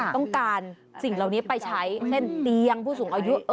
ต้องการสิ่งเหล่านี้ไปใช้เช่นเตียงผู้สูงอายุ